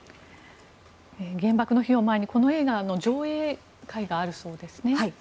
原爆の日を前にこの映画の上映会があるそうですね。